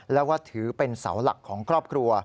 และว่าถือเป็นเสาหลักของครอบครัว